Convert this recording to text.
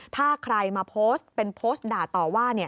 ถ้าใครมาโพสแบบจะโพสด่าต่อว่า